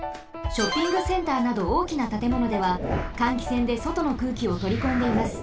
ショッピングセンターなどおおきなたてものでは換気扇でそとの空気をとりこんでいます。